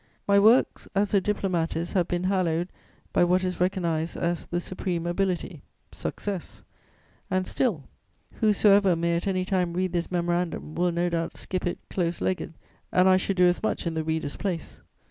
My works as a diplomatist have been hallowed by what is recognised as the supreme ability, success. And, still, whosoever may at any time read this Memorandum will no doubt skip it close legged, and I should do as much in the reader's place.